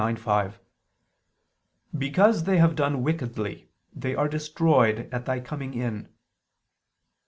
9:5) "because they have done wickedly, they are destroyed at thy coming in."